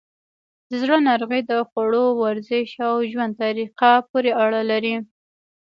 د زړه ناروغۍ د خوړو، ورزش، او ژوند طریقه پورې اړه لري.